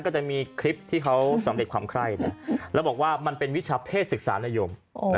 ก็จะมีคลิปที่เขาสำเร็จความไคร้แล้วบอกว่ามันเป็นวิชาเพศศึกษานโยม